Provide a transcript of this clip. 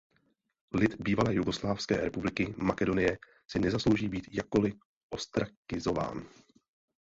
Lid Bývalé jugoslávské republiky Makedonie si nezaslouží být jakkoli ostrakizován.